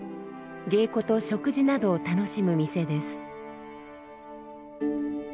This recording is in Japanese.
芸妓と食事などを楽しむ店です。